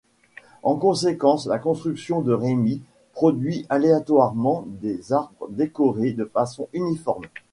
En conséquence, la construction de Rémy produit aléatoirement des arbres décorés de façon uniforme.